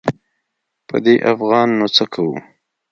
په دې افغان نو څه کوو.